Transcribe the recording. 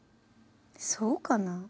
そうかな。